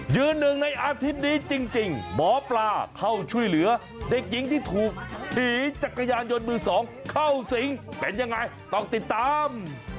ยืนหนึ่งในอาทิตย์นี้จริงหมอปลาเข้าช่วยเหลือเด็กหญิงที่ถูกผีจักรยานยนต์มือสองเข้าสิงเป็นยังไงต้องติดตาม